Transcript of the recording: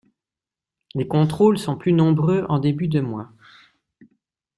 Les contrôles sont plus nombreux en début de mois.